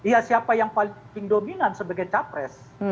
ya siapa yang paling dominan sebagai capres